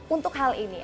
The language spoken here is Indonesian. untuk hal ini